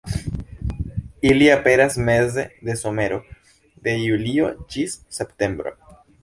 Ili aperas meze de somero, de julio ĝis septembro.